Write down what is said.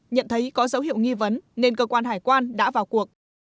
nhận thấy có dấu hiệu nghi vấn nên cơ quan hải quan đã vào cuộc